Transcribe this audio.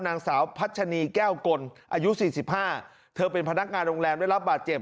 นางสาวพัชนีแก้วกลอายุ๔๕เธอเป็นพนักงานโรงแรมได้รับบาดเจ็บ